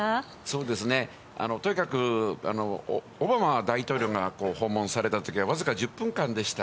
そうですね、とにかく、オバマ大統領が訪問されたときは僅か１０分間でした。